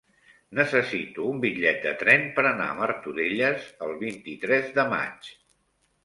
Necessito un bitllet de tren per anar a Martorelles el vint-i-tres de maig.